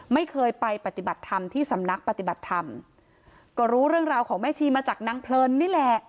ไม่เคยไปปฏิบัติธรรมที่สำนักปฏิบัติธรรมก็รู้เรื่องราวของแม่ชีมาจากนางเพลินนี่แหละ